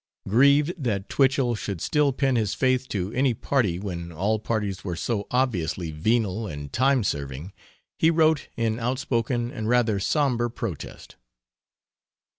Grieved that Twichell should still pin his faith to any party when all parties were so obviously venal and time serving, he wrote in outspoken and rather somber protest.